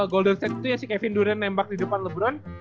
golden stage itu ya si kevin duren nembak di depan lebron